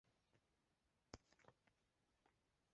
上述的歌曲的现场版本评价也比录音室版本好。